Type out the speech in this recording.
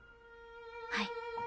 はい。